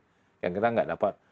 yang kadang kadang tidak dapat